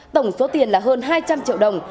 tổng số tiền là hơn hai trăm linh triệu đồng